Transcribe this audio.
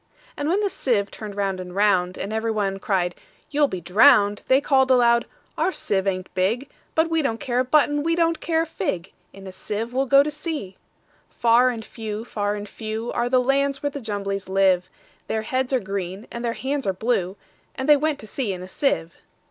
And when the sieve turn'd round and round, And every one cried, "You 'll be drown'd!"They call'd aloud, "Our sieve ain't big:But we don't care a button; we don't care a fig:In a sieve we 'll go to sea!"Far and few, far and few, Are the lands where the Jumblies live:Their heads are green, and their hands are blue; And they went to sea in a sieve.